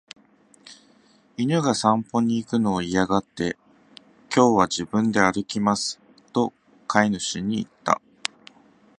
犬が散歩に行くのを嫌がって、「今日は自分で歩きます」と飼い主に言った。